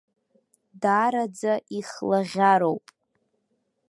Даараӡа ихлаӷьароуп.